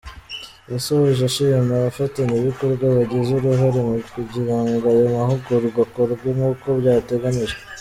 Yasoje ashima Abafatanyabikorwa bagize uruhare mu kugira ngo ayo mahugurwa akorwe nk’uko byateganyijwe.